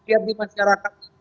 ya di masyarakat